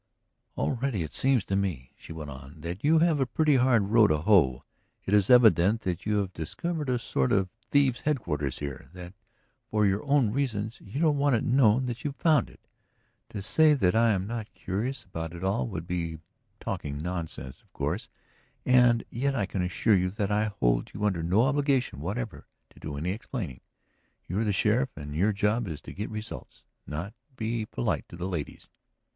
"Already it seems to me," she went on, "that you have a pretty hard row to hoe. It is evident that you have discovered a sort of thieves' headquarters here; that, for your own reasons, you don't want it known that you have found it. To say that I am not curious about it all would be talking nonsense, of course. And yet I can assure you that I hold you under no obligation whatever to do any explaining. You are the sheriff and your job is to get results, not to be polite to the ladies."